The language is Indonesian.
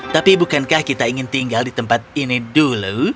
tapi bukankah kita ingin tinggal di tempat ini dulu